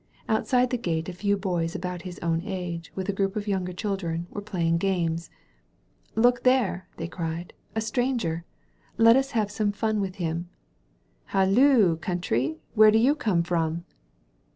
Outside the gate a few boys about his own age, with a group of younger children, were playing games. ''Look there," ihey cried — "a stranger! Let us have some fun with him. Halloo, Country, where do you come from?"